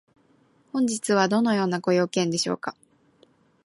本日はどのようなご用件でしょうか？